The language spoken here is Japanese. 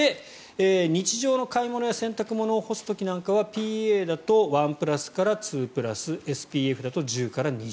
日常の買い物や洗濯物を干す時なんかはＰＡだと１プラスから２プラスＳＰＦだと１０から２０。